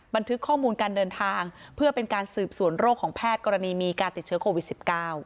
บันทึกข้อมูลการเดินทางเพื่อเป็นการสืบสวนโรคของแพทย์กรณีมีการติดเชื้อโควิด๑๙